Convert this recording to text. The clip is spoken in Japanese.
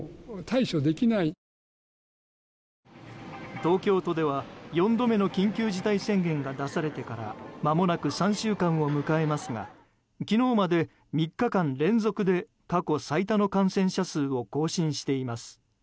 東京都では４度目の緊急事態宣言が出されてからまもなく３週間を迎えますが昨日まで３日間連続で過去最多の感染者数を更新しています。